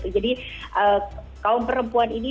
jadi kaum perempuan ini